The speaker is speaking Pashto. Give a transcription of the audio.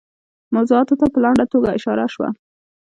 موضوعاتو ته په لنډه توګه اشاره شوه.